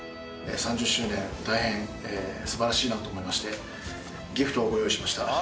３０周年大変素晴らしいなと思いましてギフトをご用意しました。